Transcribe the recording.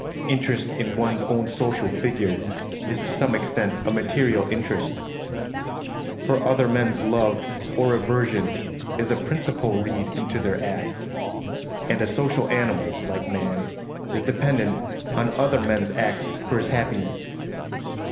Interest in one's own social figure is to some extent a material interest, for other men's love or aversion is a principle read into their acts; and a social animal like man is dependent on other men's acts for his happiness.